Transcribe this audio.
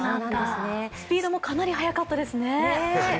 スピードもかなり速かったですね。